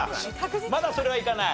まだそれはいかない？